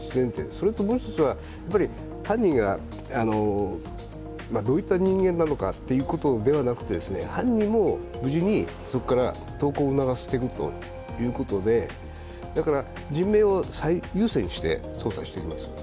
それともう１つは、犯人がどういった人間なのかというこではなくて犯人も無事にそこから投降を促していくということで、人命を最優先にして捜査しています。